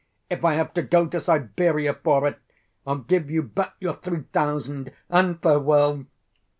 If I have to go to Siberia for it, I'll give you back your three thousand. And farewell.